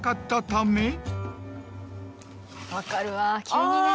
分かるわ。